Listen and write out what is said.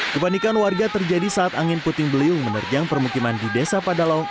kepanikan warga terjadi saat angin puting beliung menerjang permukiman di desa padalau